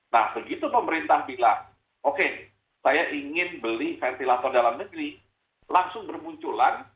nah begitu pemerintah bilang oke saya ingin beli ventilator dalam negeri langsung bermunculan